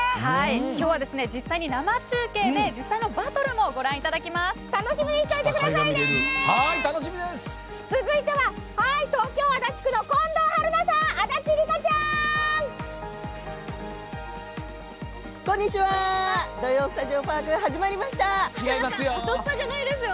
今日は実際に生中継で実際のバトルもご覧いただきます！